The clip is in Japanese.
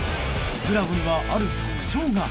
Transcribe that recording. グラブには、ある特徴が。